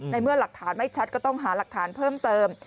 เมื่อหลักฐานไม่ชัดก็ต้องหาหลักฐานเพิ่มเติม